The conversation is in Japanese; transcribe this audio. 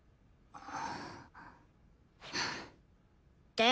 で？